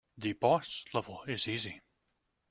The boss level is easy.